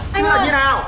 cái này như nào